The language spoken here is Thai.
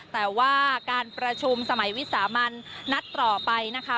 แต่ว่าการประชุมสมัยวิสามันนัดต่อไปนะคะ